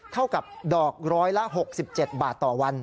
เท่ากับดอกร้อยละ๖๗บาทต่อวัน